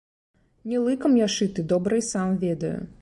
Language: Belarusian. Не лыкам я шыты, добра і сам ведаю.